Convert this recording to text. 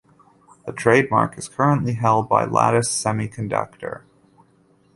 The trademark is currently held by Lattice Semiconductor.